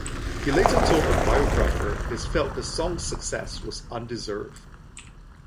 He later told a biographer he felt the song's success was "undeserved".